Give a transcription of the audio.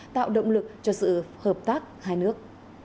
tạo động lực cho sự hợp tác hai nước